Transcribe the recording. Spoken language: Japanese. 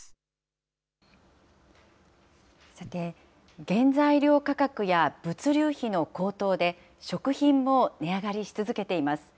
さて、原材料価格や物流費の高騰で、食品も値上がりし続けています。